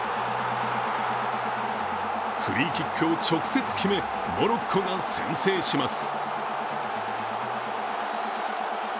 フリーキックを直接決め、モロッコが先制します。